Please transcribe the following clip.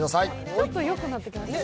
ちょっと喉、よくなってきましたね。